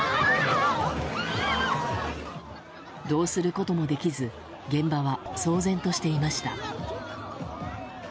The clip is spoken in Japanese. どうすることもできず現場は騒然としていました。